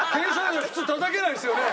たたけないですよね？